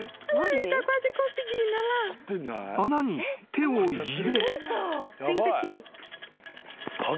［穴に手を入れ］